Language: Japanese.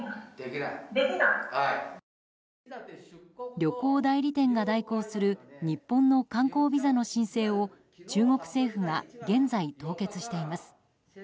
旅行代理店が代行する日本の観光ビザの申請を中国政府が現在、凍結しています。